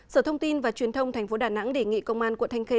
sở thông tin và truyền thông thành phố đà nẵng đề nghị công an quận thanh khê